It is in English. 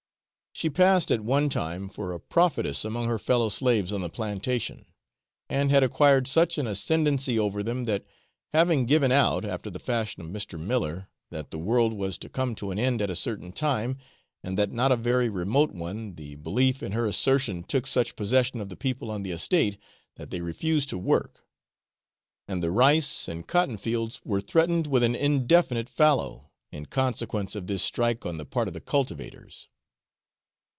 She passed at one time for a prophetess among her fellow slaves on the plantation, and had acquired such an ascendancy over them that, having given out, after the fashion of Mr. Miller, that the world was to come to an end at a certain time, and that not a very remote one, the belief in her assertion took such possession of the people on the estate, that they refused to work; and the rice and cotton fields were threatened with an indefinite fallow, in consequence of this strike on the part of the cultivators.